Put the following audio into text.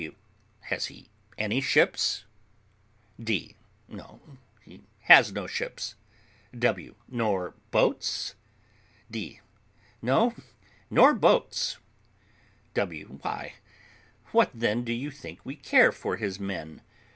W. Has he any ships? D. No, he has no ships. W. Nor boats? D. No, nor boats. W. Why, what then do you think we care for his men?